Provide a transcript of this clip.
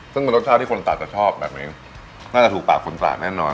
ซึ่งเป็นรสชาติที่คนต่างจะชอบแบบนี้น่าจะถูกปากคนต่างแน่นอน